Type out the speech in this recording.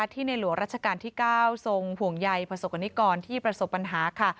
ที่ในหลวงราชการที่๙ทรงห่วงใยประสบกรณิกรที่ประสบปัญหาค่ะ